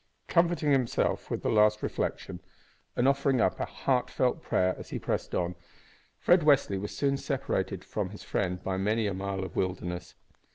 Comforting himself with the last reflection, and offering up a heartfelt prayer as he pressed on, Fred Westly was soon separated from his friend by many a mile of wilderness.